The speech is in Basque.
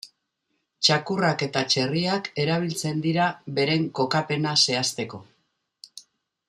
Txakurrak eta txerriak erabiltzen dira beren kokapena zehazteko.